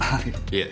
いえ。